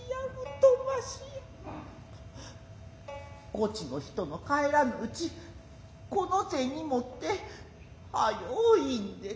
こちの人の帰らぬうちこの銭持って早う去んで下さんせ。